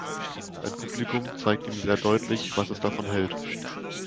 Sein Publikum zeigt ihm sehr deutlich, was es davon hält.